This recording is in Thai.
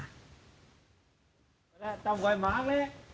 ยิงกับไว้มากเลย